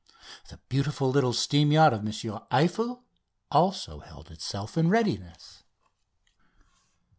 The beautiful little steam yacht of M. Eiffel also held itself in readiness.